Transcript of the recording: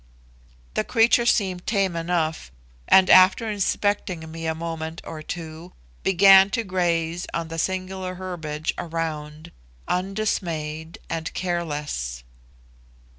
The creature seemed tame enough, and, after inspecting me a moment or two, began to graze on the singular herbiage around undismayed and careless.